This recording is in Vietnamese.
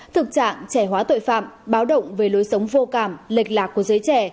thực trạng trẻ hóa tội phạm báo động về lối sống vô cảm lệch lạc của giới trẻ